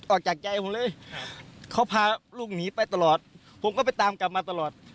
ออกจากใจผมเลยเขาพาลูกหนีไปตลอดผมก็ไปตามกลับมาตลอด